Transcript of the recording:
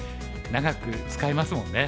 長く使えますもんね。